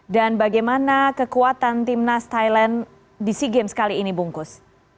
dan bagaimana kekuatan tim nas thailand di sea games kali ini bungkus